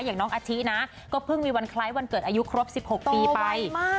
อย่างน้องอาชินะก็เพิ่งมีวันคล้ายวันเกิดอายุครบ๑๖ปีไป